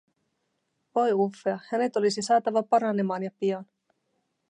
Voi Uffea, hänet olisi saatava paranemaan ja pian.